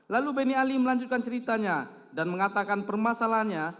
lalu benny ali melanjutkan ceritanya dan mengatakan permasalahannya